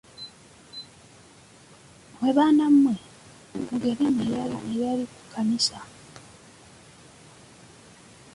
Mmwe baana mmwe, mugende muleekaanire eri ku kkanisa.